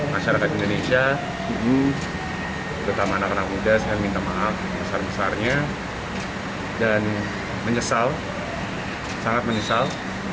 masyarakat indonesia ibu terutama anak anak muda saya minta maaf besar besarnya dan menyesal sangat menyesal